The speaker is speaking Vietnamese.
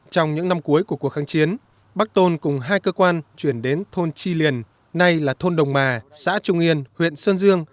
trong những năm cuối của cuộc kháng chiến bác tôn cùng hai cơ quan chuyển đến thôn tri liền nay là thôn đồng mà xã trung yên huyện sơn dương